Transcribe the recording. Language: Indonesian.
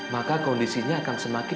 maka kondisinya akan semakin